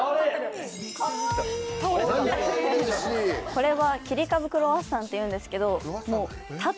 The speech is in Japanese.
・これは「切り株クロワッサン」っていうんですけど。